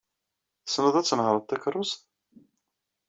Tessneḍ ad tnehṛeḍ takeṛṛust?